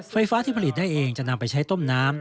ไฟฟ้าที่ผลิตได้เองจะนำไปใช้ต้มน้ำ